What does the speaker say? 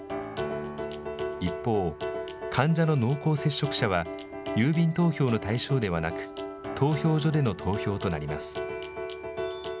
一方、患者の濃厚接触者は、郵便投票の対象ではなく、投票所での投票となります。